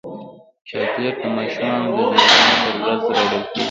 چاکلېټ د ماشومانو د زیږون پر ورځ راوړل کېږي.